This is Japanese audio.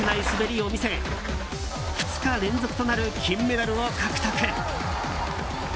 滑りを見せ２日連続となる金メダルを獲得。